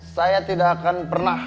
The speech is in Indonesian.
saya tidak akan pernah